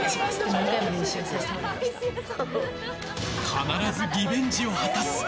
必ずリベンジを果たす。